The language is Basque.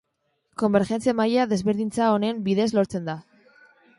Konbergentzia-maila desberdintza honen bidez lortzen da.